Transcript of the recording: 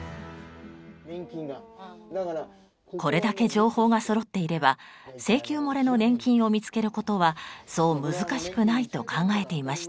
これだけ情報がそろっていれば請求もれの年金を見つけることはそう難しくないと考えていましたが。